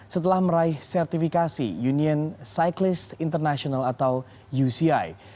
setelah meraih sertifikasi union cyclist international atau uci